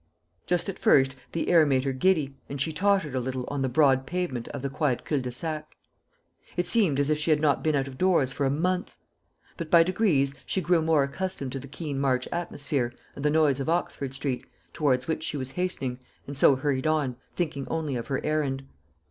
Just at first the air made her giddy, and she tottered a little on the broad pavement of the quiet cul de sac. It seemed as if she had not been out of doors for a month. But by degrees she grew more accustomed to the keen March atmosphere and the noise of Oxford street, towards which she was hastening, and so hurried on, thinking only of her errand.